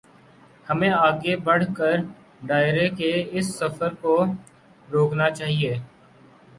ہمیں آگے بڑھ کر دائرے کے اس سفر کو روکنا چاہیے۔